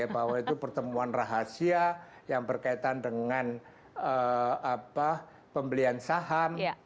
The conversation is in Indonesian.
bahwa itu pertemuan rahasia yang berkaitan dengan pembelian saham